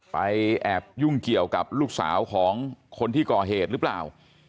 แอบยุ่งเกี่ยวกับลูกสาวของคนที่ก่อเหตุหรือเปล่า